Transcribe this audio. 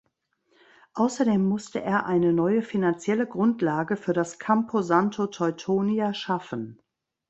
Außerdem musste er eine neue finanzielle Grundlage für das Campo Santo Teutonia schaffen.